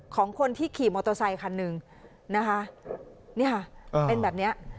ของคนที่ขี่มอเตอร์ไซคันหนึ่งนะคะนี่ค่ะเป็นแบบเนี้ย